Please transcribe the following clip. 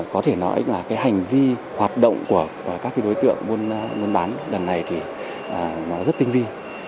có thể nói là hành vi hoạt động của các đối tượng nguồn bán đằng này thì rất tinh vi